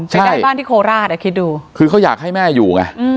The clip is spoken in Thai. ไปได้บ้านที่โคราชอ่ะคิดดูคือเขาอยากให้แม่อยู่ไง